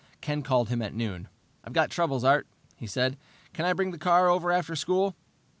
Ken called him at noon. "I've got troubles, Art," he said. "Can I bring the car over after school?"